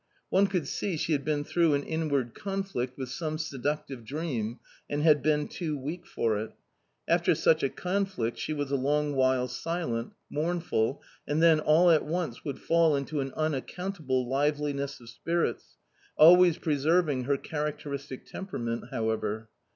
One could see she had been through an inward conflict with some seductive dream, and had been too weak for it. After such a conflict she was a long while silent, mournful, and then all at once would fall into an unaccountable liveliness of spirits, always preserving her characteristic temperament however.